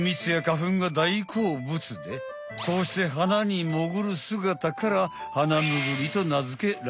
でこうして花にもぐるすがたからハナムグリとなづけられたのさ。